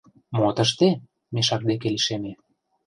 Мо тыште? — мешак деке лишеме.